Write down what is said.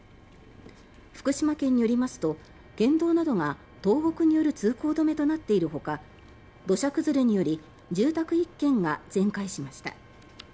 福島県によりますと、県道などが倒木による通行止めとなっているほか土砂崩れにより住宅１軒が全壊しました。